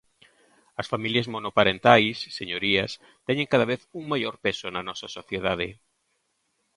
As familias monoparentais, señorías, teñen cada vez un maior peso na nosa sociedade.